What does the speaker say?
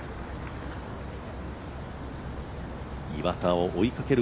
岩田を追いかける